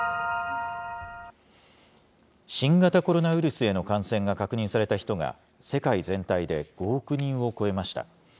新型コロナウイルスへの感染が確認された人が、世界全体で５億人を超えました。